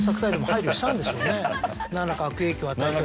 何らか悪影響を与えては。